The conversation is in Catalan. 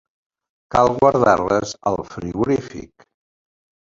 Cal guardar-les al frigorífic.